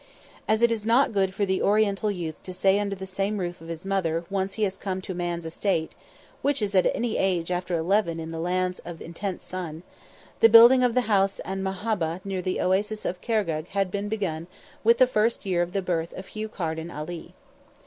As it is not good for the Oriental youth to stay under the same roof as his mother, once he has come to man's estate which is at any age after eleven in the lands of intense sun the building of the House 'an Mahabbha near the Oasis of Khargegh had been begun within the first year of the birth of Hugh Carden Ali.